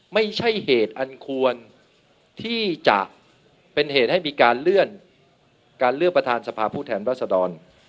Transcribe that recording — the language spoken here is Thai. ไม่ใช่เหตุอันควรที่จะเป็นเหตุให้มีการเลื่อนการเลือกประธานสภาผู้แทนรัศดร